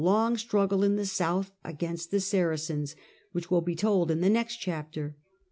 long struggle in the South against the Saracens, which will be told in the next chapter.